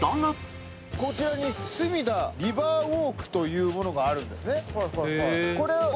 こちらにすみだリバーウォークというものがあるんですね。